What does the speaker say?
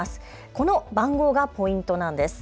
この番号がポイントなんです。